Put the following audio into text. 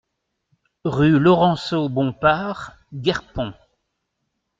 Rue Laurenceau Bompard, Guerpont